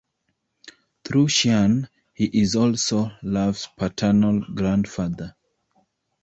Through Cian, he is also Lugh's paternal grandfather.